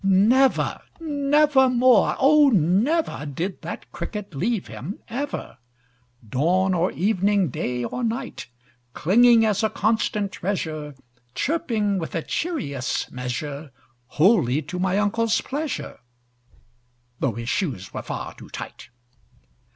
Never never more oh, never, Did that Cricket leave him ever, Dawn or evening, day or night; Clinging as a constant treasure, Chirping with a cheerious measure, Wholly to my uncle's pleasure (Though his shoes were far too tight).